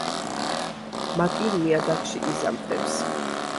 მატლი ნიადაგში იზამთრებს.